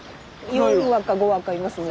４羽か５羽かいますね。